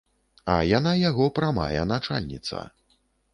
А яна яго прамая начальніца.